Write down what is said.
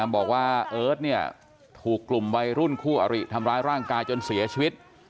บอกว่าเอิร์ทเนี่ยถูกกลุ่มวัยรุ่นคู่อริทำร้ายร่างกายจนเสียชีวิต